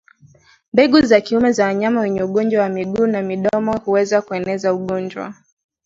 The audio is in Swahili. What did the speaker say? Mbegu za kiume za wanyama wenye ugonjwa wa miguu na midomo huweza kueneza ugonjwa